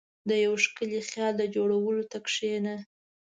• د یو ښکلي خیال د جوړولو ته کښېنه.